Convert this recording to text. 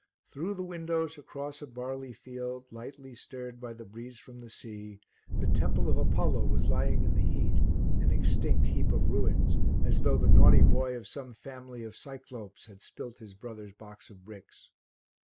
Through the windows across a barley field, lightly stirred by the breeze from the sea, the Temple of Apollo was lying in the heat, an extinct heap of ruins, as though the naughty boy of some family of Cyclopes had spilt his brother's box of bricks.